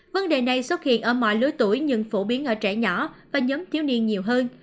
vấn đề này xuất hiện ở mọi lứa tuổi nhưng phổ biến ở trẻ nhỏ và nhóm thiếu niên nhiều hơn